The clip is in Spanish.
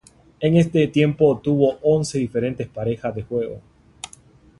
En este tiempo tuvo once diferentes parejas de juego.